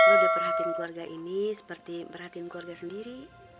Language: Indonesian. lo diperhatikan keluarga ini seperti perhatikan keluarga sendiri